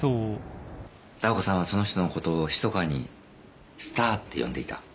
ダー子さんはその人のことをひそかにスタアって呼んでいた